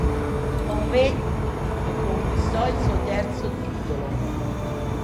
Honvéd, che conquistò il suo terzo titolo.